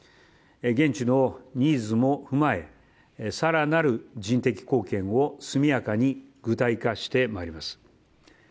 現地のニーズも踏まえ、更なる人的貢献を速やかに具体化してまいります。